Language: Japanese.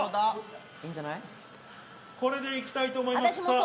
これでいきたいと思います。